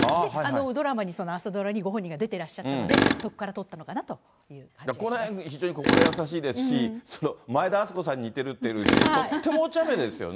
ドラマにその朝ドラにご本人が出てらっしゃったので、そこから取非常に心優しいですし、前田敦子さんに似てるってとってもお茶目ですよね。